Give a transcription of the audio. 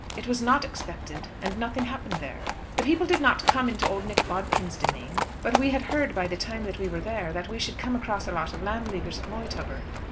It was not expected, and nothing happened there. The people did not come into old Nick Bodkin's demesne, but we had heard by the time that we were there that we should come across a lot of Landleaguers at Moytubber.